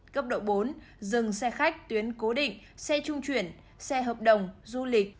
cấp độ bốn dừng xe khách tuyến cố định xe trung chuyển xe hợp đồng du lịch